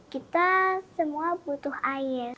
kita semua butuh air